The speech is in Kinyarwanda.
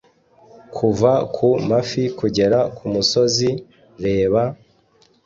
kuva ku mafi kugera kumusozi! reba